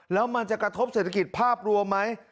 แล้วมันจะกระทบเศรษฐกิจภาพรวมไหม